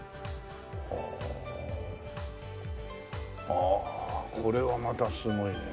ああこれはまたすごいね。